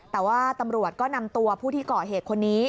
แต่ว่าตำรวจก็นำตัวผู้ที่ก่อเหตุคนนี้